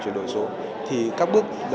chuyển đổi số thì các bước